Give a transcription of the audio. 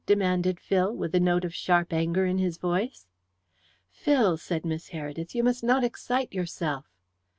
demanded Phil, with a note of sharp anger in his voice. "Phil!" said Miss Heredith. "You must not excite yourself."